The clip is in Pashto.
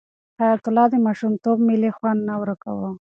حیات الله ته د ماشومتوب مېلې خوند نه ورکاوه.